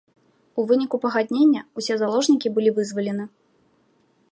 У выніку пагаднення ўсе заложнікі былі вызвалены.